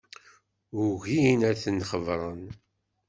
Ugin ad ten-xebbren.